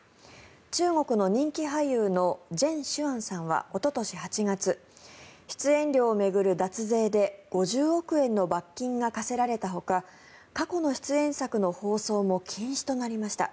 中国の人気俳優のジェン・シュアンさんはおととし８月出演料を巡る脱税で５０億円の罰金が科されたほか過去の出演作の放送も禁止となりました。